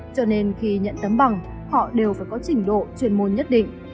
cho nên khi nhận tấm bằng họ đều phải có trình độ chuyên môn nhất định